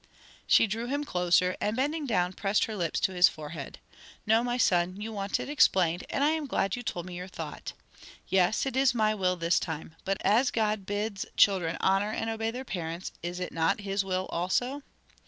She drew him closer, and bending down pressed her lips to his forehead. "No, my son, you want it explained, and I am glad you told me your thought. Yes, it is my will this time, but as God bids children honor and obey their parents, is it not his will also?"